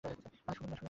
আরে শুনুন না।